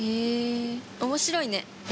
面白いね。